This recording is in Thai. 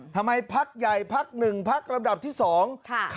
พักใหญ่พักหนึ่งพักลำดับที่สอง